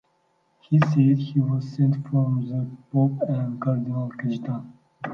He said he was sent from the Pope and Cardinal Cajetan.